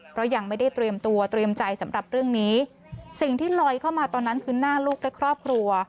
เพราะยังไม่ได้เตรียมตัวเตรียมใจสำหรับเรื่องนี้สิ่งที่ลอยเข้ามาตอนนั้นคือหน้าลูกและครอบครัว